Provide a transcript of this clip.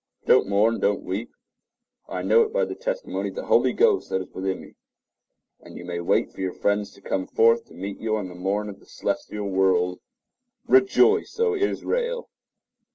Don't mourn, don't weep. I know it by the testimony of the Holy Ghost that is within me; and you may wait for your friends to come forth to meet you in the morn of the celestial world. Rejoice, O Israel!